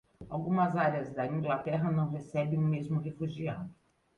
Algumas áreas da Inglaterra não recebem o mesmo refugiado.